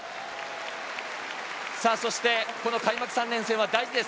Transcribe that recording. そして開幕３連戦は大事です。